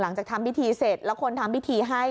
หลังจากทำพิธีเสร็จแล้วคนทำพิธีให้